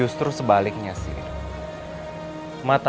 hancurkan pasukan daniman